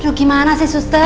aduh gimana sih suster